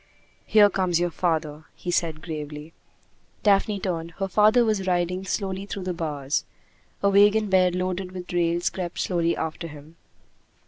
"Here comes your father," he said gravely. Daphne turned. Her father was riding slowly through the bars. A wagon bed loaded with rails crept slowly after him.